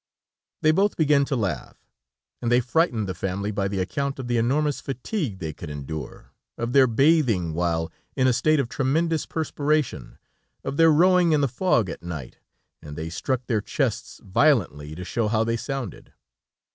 They both began to laugh, and they frightened the family by the account of the enormous fatigue they could endure, of their bathing while in a state of tremendous perspiration, of their rowing in the fog at night, and they struck their chests violently, to show how they sounded.